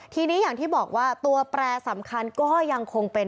ทีนี้อย่างที่บอกว่าตัวแปรสำคัญก็ยังคงเป็น